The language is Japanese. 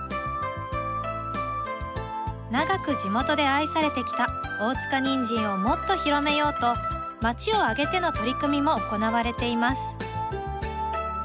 長く地元で愛されてきた大塚にんじんをもっと広めようと町を挙げての取り組みも行われています。